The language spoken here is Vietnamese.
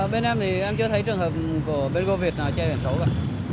bên em thì em chưa thấy trường hợp của bê gô việt nào che biển số cả